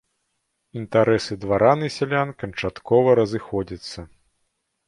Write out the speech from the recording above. Інтарэсы дваран і сялян канчаткова разыходзяцца.